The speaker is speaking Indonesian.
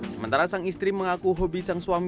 sementara sang istri mengaku hobi sang suami